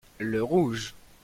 le rouge.